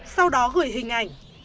sau đó gửi hình ảnh